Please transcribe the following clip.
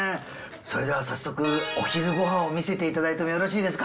それでは早速お昼ご飯を見せていただいてもよろしいですか？